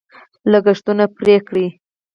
لګښتونه پرې کړي.